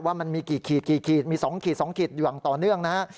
ว่ามันมีกี่ขีดมี๒ขีดอย่างต่อเนื่องนะฮะ